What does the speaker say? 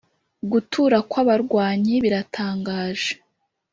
gutura kw'abarwanyi biratangaje!